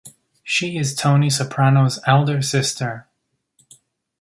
She is Tony Soprano's elder sister.